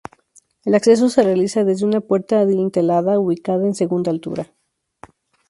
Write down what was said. El acceso se realiza desde una puerta adintelada ubicada en segunda altura.